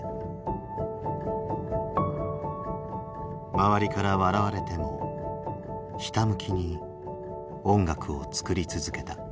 周りから笑われてもひたむきに音楽を作り続けた。